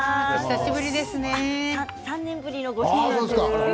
３年ぶりのご出演です。